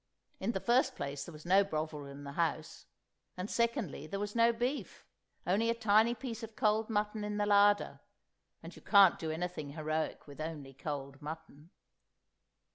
In the first place there was no Bovril in the house; and secondly, there was no beef, only a tiny piece of cold mutton in the larder—and you can't do anything heroic with only cold mutton.